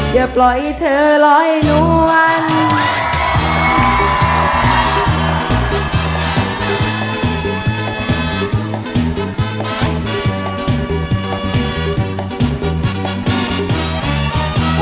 อย่าปล่อยเธอรอให้นวร